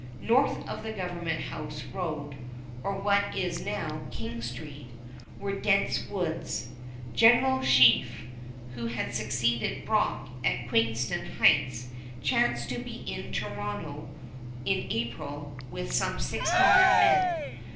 North of the Government House road, or what is now King Street, were dense woods. General Sheaffe, who had succeeded Brock at Queenston Heights, chanced to be in Toronto in April with some six hundred men.